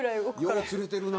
よう釣れてるな。